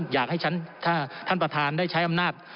อยากให้ถ้าท่านประธานได้ใช้อำนาจ